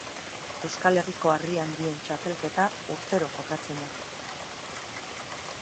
Euskal Herriko Harri Handien Txapelketa urtero jokatzen da.